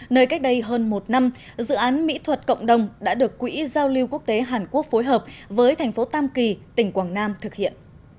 nơi cách đây hơn một năm dự án mỹ thuật cộng đồng đã được quỹ giao lưu quốc tế hàn quốc phối hợp với thành phố tam kỳ tỉnh quảng nam thực hiện